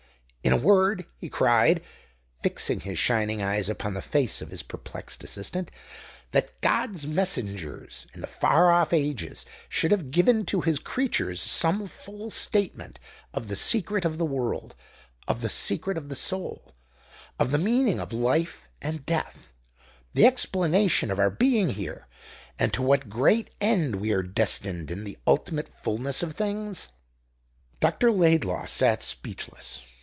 In a word," he cried, fixing his shining eyes upon the face of his perplexed assistant, "that God's messengers in the far off ages should have given to His creatures some full statement of the secret of the world, of the secret of the soul, of the meaning of life and death the explanation of our being here, and to what great end we are destined in the ultimate fullness of things?" Dr. Laidlaw sat speechless.